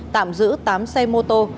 tạm giữ tám xe mô tô